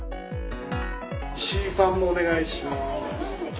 ・石井さんもお願いします。